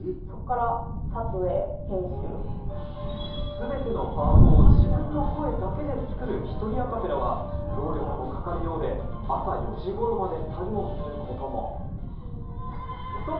すべてのパートを自分の声だけで作る一人アカペラは労力もかかるようで朝４時頃まで作業をすることも。